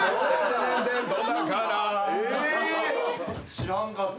知らんかった。